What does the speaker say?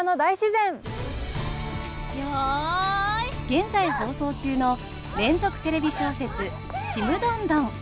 現在放送中の連続テレビ小説「ちむどんどん」。